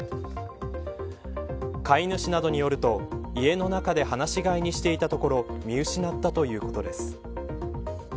飼い主などによると、家の中で放し飼いにしていたところ見失ったということです。